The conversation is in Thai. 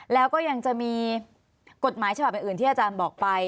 แล้วก็ยังจะมีกฎหมายฉบับอื่นที่อาจารย์บอกไป